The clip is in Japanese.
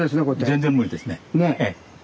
全然無理ですねええ。